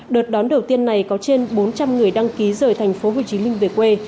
đợt đón đầu tiên này có trên bốn trăm linh người đăng ký rời thành phố hồ chí minh về quê